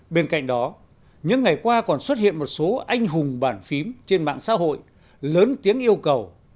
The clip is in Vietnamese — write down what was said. bên cạnh đó những ngày qua còn xuất hiện một số anh hùng bản phím trên mạng xã hội lớn tiếng yêu cầu